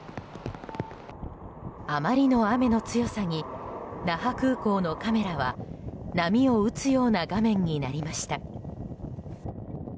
あまりの雨の強さに那覇空港のカメラは波を打つような画面になりました。